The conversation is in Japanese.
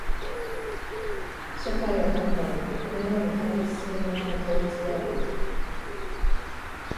社会は元来このように対立するものの統一である。